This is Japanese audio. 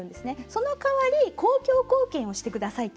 その代わり公共貢献をしてくださいと。